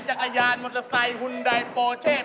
จักรยานมอเตอร์ไซค์หุ่นใดโปเชศ